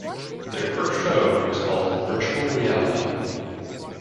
Their first show was called "Virtual Reality".